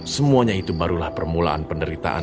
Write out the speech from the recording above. semuanya itu barulah permulaan penderitaan